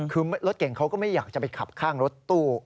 คือรถเก่งเขาก็ไม่อยากจะไปขับข้างรถตู้